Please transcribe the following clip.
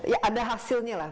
ya ada hasilnya lah